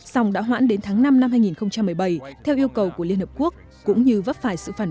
song đã hoãn đến tháng năm năm hai nghìn một mươi bảy theo yêu cầu của liên hợp quốc cũng như vấp phải sự phản